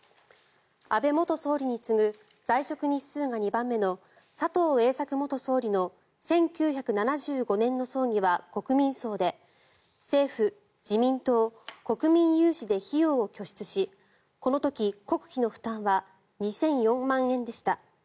安倍元総理に次ぐ在職日数が２番目の佐藤栄作元総理の１９７５年の葬儀は国民葬で政府、自民党、国民有志で費用を拠出しこの時、国費の負担は２００４万円でした。